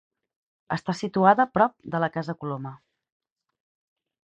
Està situada prop de la casa Coloma.